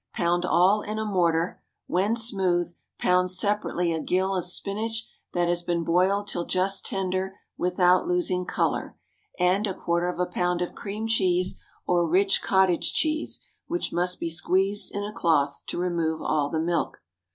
Pound all in a mortar; when smooth, pound separately a gill of spinach that has been boiled till just tender without losing color, and a quarter of a pound of cream cheese or rich cottage cheese, which must be squeezed in a cloth to remove all the milk.